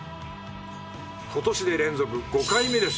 今年で連続５回目です。